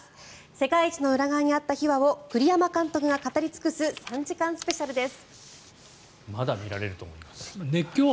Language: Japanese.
世界一の裏側にあった秘話を栗山監督が語り尽くす３時間スペシャルです。